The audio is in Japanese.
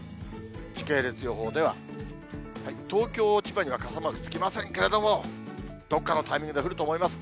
時系列予報では、東京、千葉には傘マークつきませんけれども、どこかのタイミングで降ると思います。